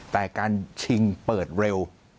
แต่การชิงเปิดเร็ว